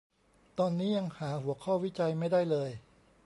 ตอนนี้ยังหาหัวข้อวิจัยไม่ได้เลย